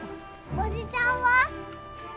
おじちゃんは？